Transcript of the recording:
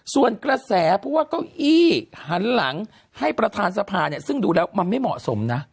ส่วนกระแสผู้ว่าเก้าอี้หันหลังให้ประธานสภาเนี่ยซึ่งดูแล้วมันไม่เหมาะสมนะ